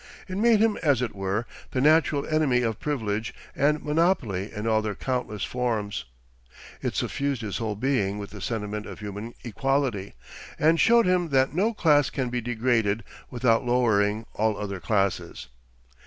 It made him, as it were, the natural enemy of privilege and monopoly in all their countless forms. It suffused his whole being with the sentiment of human equality, and showed him that no class can be degraded without lowering all other classes.